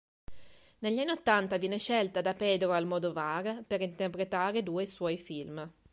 Negli anni ottanta viene scelta da Pedro Almodóvar per interpretare due suoi film.